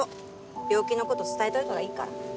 病気のこと伝えといたほうがいいから。